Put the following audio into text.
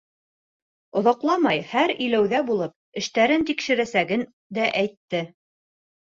Оҙаҡламай һәр иләүҙә булып, эштәрен тикшерәсәген дә әйтте.